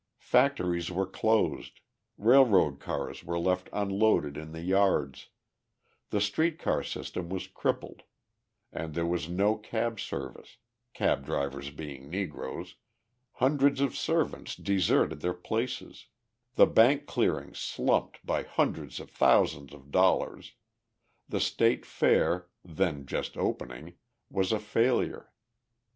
Factories were closed, railroad cars were left unloaded in the yards, the street car system was crippled, and there was no cab service (cab drivers being Negroes), hundreds of servants deserted their places, the bank clearings slumped by hundreds of thousands of dollars, the state fair, then just opening, was a failure.